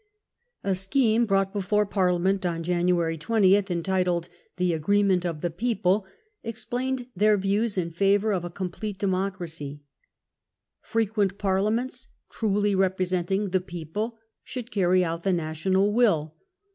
A scheme brought before Parliament on January 20, entitled "The Agreement of the People", explained their views in favour of a complete democracy. Frequent Parliaments, truly representing the "people", should carry out the national will.